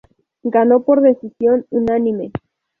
Ganó por decisión unánime.